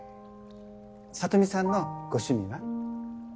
サトミさんのご趣味は？